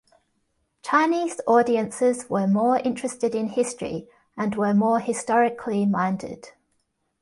Chinese audiences were more interested in history and were more historically minded.